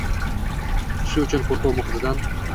Shu uchun qo‘rquv muhitidan